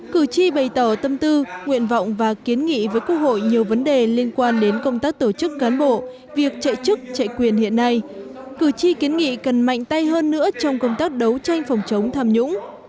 cử tri bày tỏ tâm tư nguyện vọng và kiến nghị với quốc hội nhiều vấn đề liên quan đến công tác tổ chức cán bộ việc chạy chức chạy quyền hiện nay cử tri kiến nghị cần mạnh tay hơn nữa trong công tác đấu tranh phòng chống tham nhũng